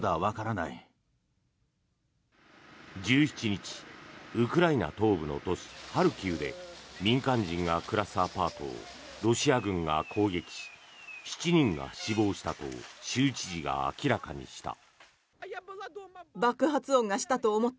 １７日、ウクライナ東部の都市ハルキウで民間人が暮らすアパートをロシア軍が攻撃し７人が死亡したと州知事が明らかにした。